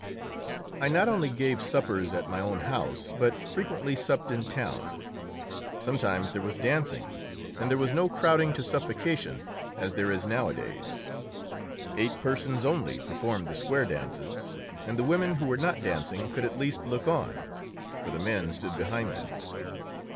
I not only gave suppers at my own house, but frequently supped in town. Sometimes there was dancing, and there was no crowding to suffocation, as there is nowadays. Eight persons only performed the square dances, and the women who were not dancing could at least look on, for the men stood behind them.